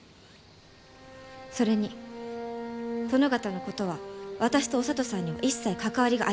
それに殿方のことは私とお聡さんには一切関わりがありませんから。